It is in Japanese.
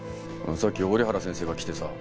さっき折原先生が来てさ。